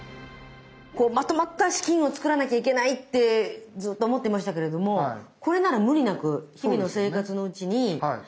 まとまった資金を作らなきゃいけないってずっと思ってましたけれどもこれなら無理なく日々の生活のうちにできそうな気がします。